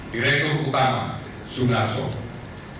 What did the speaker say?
direktur utama sunar sok